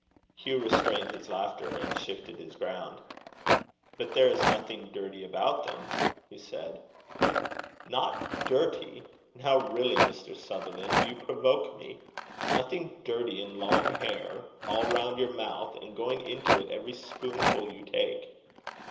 Hugh restrained his laughter, and shifted his ground. "But there is nothing dirty about them," he said. "Not dirty? Now really, Mr. Sutherland, you provoke me. Nothing dirty in long hair all round your mouth, and going into it every spoonful you take?"